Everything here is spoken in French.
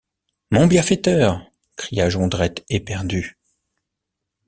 Mon bienfaiteur! cria Jondrette éperdu.